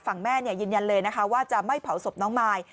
ฝั่งแม่ยืนยันเลยนะคะว่าจะไม่เผาศพน้องมาย